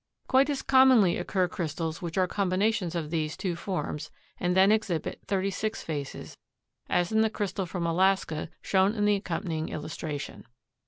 Quite as commonly occur crystals which are combinations of these two forms, and then exhibit thirty six faces, as in the crystal from Alaska shown in the accompanying illustration.